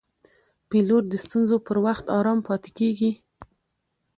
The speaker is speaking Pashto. پیلوټ د ستونزو پر وخت آرام پاتې کېږي.